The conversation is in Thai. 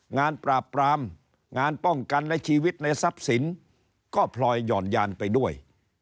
งานปราบปรามงานป้องกันในชีวิตในทรัพย์สินก็พลอยหย่อนยานไปด้วย